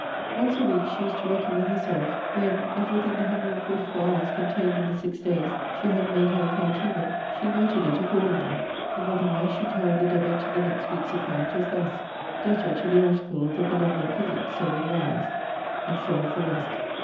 Once a week she used to reckon with herself; when, if within the 144 hours, contained in the six days, she had made her account even, she noted it accordingly; if otherwise, she carried the debit to the next week's account; as thus: Debtor to the article of the benevolent visits, so many hours. And so of the rest.